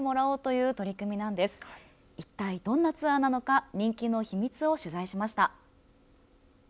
いったい、どんなツアーなのか人気の秘密を取材しました。